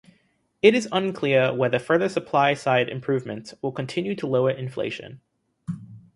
It is unclear whether further supply-side improvements will continue to lower inflation.